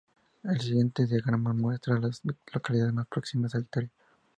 El siguiente diagrama muestra a las localidades más próximas a Victoria.